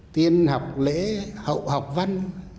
tiên học lễ hậu học văn